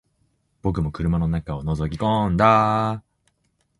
僕も車の中を覗き込んだ